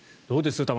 どうです？